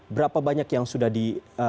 berapa banyak yang sudah di